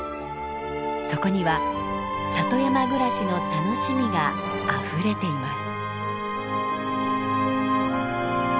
そこには里山暮らしの楽しみがあふれています。